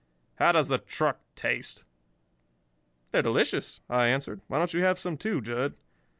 How does the truck taste?" "They're delicious," I answered. "Why don't you have some, too, Jud?"